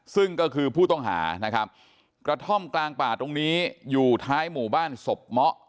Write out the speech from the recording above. ซึ่งก็คือผู้ต้องหานะครับกระท่อมกลางป่าตรงนี้อยู่ท้ายหมู่บ้านศพเมาะ